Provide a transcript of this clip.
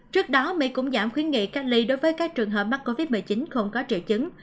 trước đó mỹ cũng giảm khuyến nghị cách ly đối với các trường hợp mắc covid một mươi chín không có triệu chứng